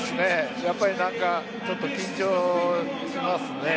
やっぱりちょっと緊張しますね。